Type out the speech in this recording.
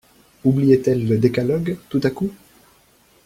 Oubliait-elle le décalogue, tout à coup?